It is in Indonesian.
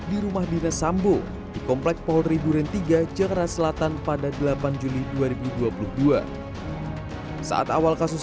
di rumah dinas sambo di komplek polri duren tiga jakarta selatan pada delapan juli dua ribu dua puluh dua saat awal kasus